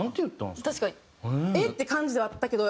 えっ！って感じではあったけど